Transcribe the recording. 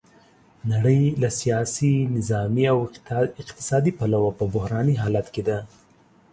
نړۍ له سیاسي، نظامي او اقتصادي پلوه په بحراني حالت کې ده.